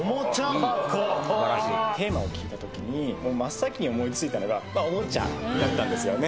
ほうテーマを聞いた時にもう真っ先に思い付いたのがまあおもちゃだったんですよね